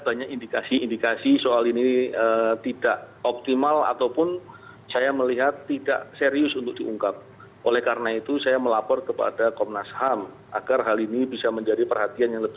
penyidik polri blikjan polisi muhammad iqbal mengatakan